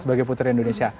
sebagai putri indonesia